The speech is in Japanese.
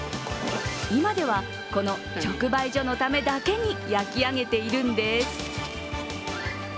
今ではこの直売所のためだけに焼き上げているんです。